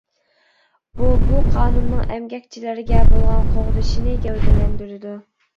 بۇ بۇ قانۇننىڭ ئەمگەكچىلەرگە بولغان قوغدىشىنى گەۋدىلەندۈرىدۇ.